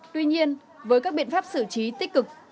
tuy nhiên với các biện pháp xử trí tích cực